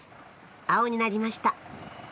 青になりました